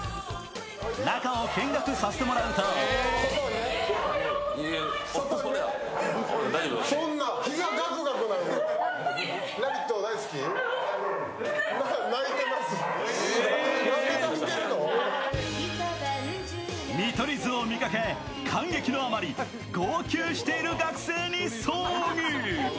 中を見学させてもらうと見取り図を見かけ、感激のあまり号泣している学生に遭遇。